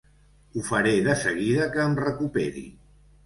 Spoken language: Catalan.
Ho faré de seguida que em recuperi.